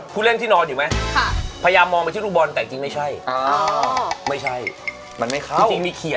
ซึ่งไม่เกี่ยวหาเหี๋วอะไรกับยิ่งรูปนี้เลย